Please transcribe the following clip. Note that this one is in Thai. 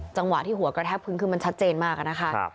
จังหวะที่หัวกระแทกพื้นคือมันชัดเจนมากอะนะคะ